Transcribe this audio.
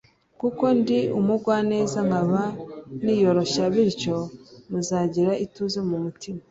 kuko ndi umugwaneza nkaba niyoroshya bityo muzagira ituze mu mutima